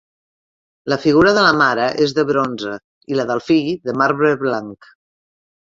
La figura de la mare és de bronze i la del fill de marbre blanc.